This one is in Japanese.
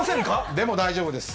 でも、大丈夫です。